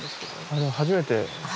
初めて。